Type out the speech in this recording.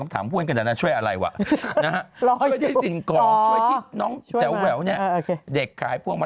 อ่าอะไรนะพี่แม่